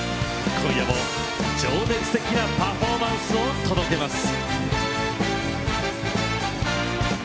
今夜も情熱的なパフォーマンスを届けます。